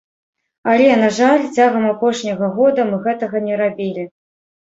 Але, на жаль, цягам апошняга года мы гэтага не рабілі.